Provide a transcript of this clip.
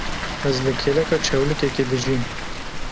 Ez li kêleka çewlikekê dijîm.